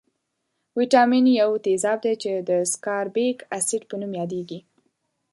ویتامین یو تیزاب دی چې د سکاربیک اسید په نوم یادیږي.